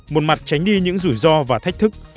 một mặt tránh đi những rủi ro và thách thức